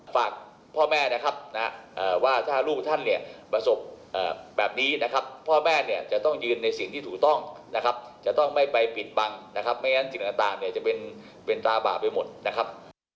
ฝากพ่อแม่นะครับนะว่าถ้าลูกท่านเนี่ยประสบแบบนี้นะครับพ่อแม่เนี่ยจะต้องยืนในสิ่งที่ถูกต้องนะครับจะต้องไม่ไปปิดบังนะครับไม่งั้นสิ่งต่างเนี่ยจะเป็นตาบาปไปหมดนะครับ